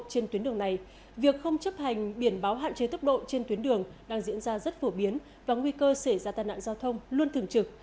trên tuyến đường này việc không chấp hành biển báo hạn chế tốc độ trên tuyến đường đang diễn ra rất phổ biến và nguy cơ xảy ra tai nạn giao thông luôn thường trực